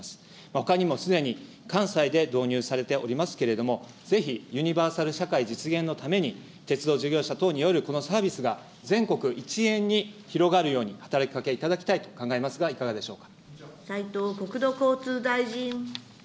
ほかにもすでに関西で導入されておりますけれども、ぜひユニバーサル社会実現のために鉄道事業者等によるこのサービスが全国一円に広がるように働きかけいただきたいと考えますが、斉藤国土交通大臣。